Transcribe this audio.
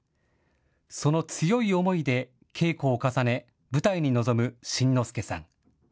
その強い思いで稽古を重ね舞台に臨む新之助さん。